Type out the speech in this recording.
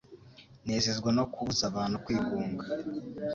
Nezezwa no kubuza abantu kwigunga